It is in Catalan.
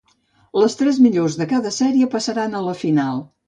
Les tres millors de cada sèrie passen a la final.